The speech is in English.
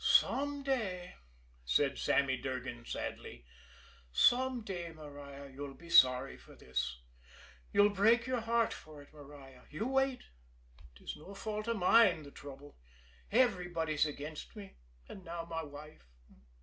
"Some day," said Sammy Durgan sadly, "some day, Maria, you'll be sorry for this. You'll break your heart for it, Maria! You wait! 'Tis no fault of mine, the trouble. Everybody's against me and now my wife.